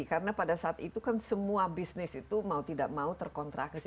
karena pada saat itu kan semua bisnis itu mau tidak mau terkontraksi